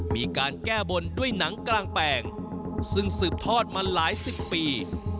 มีการแก้บนด้วยหนังกลางแปลงซึ่งสืบทอดมาหลายสิบปี